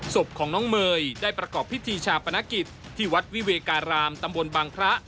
ศพของน้องเมย์ได้ประกอบพิธีชาปนกิจที่วัดวิเวการามตำบลบางพระ